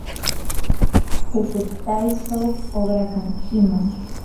pukutaychaw uqrakankiman.